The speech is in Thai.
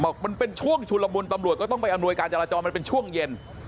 มันเป็นช่วงชุลมุนตำรวจก็ต้องไปอำนวยการจราจรมันเป็นช่วงเย็น